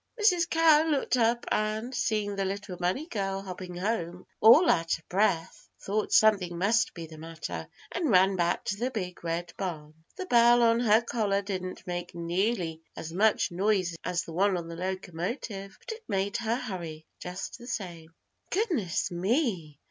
Mrs. Cow looked up and, seeing the little bunny girl hopping home all out of breath, thought something must be the matter and ran back to the Big Red Barn. The bell on her collar didn't make nearly as much noise as the one on the locomotive, but it made her hurry, just the same. "Goodness me!